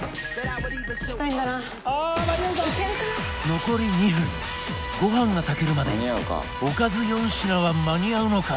残り２分ご飯が炊けるまでにおかず４品は間に合うのか？